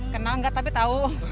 kenal nggak tapi tahu